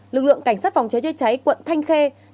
lực lượng cảnh sát phòng cháy chữa cháy quận thanh khê